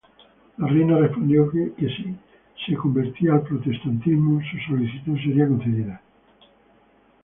La reina respondió que se si se convertía al protestantismo su solicitud sería concedida.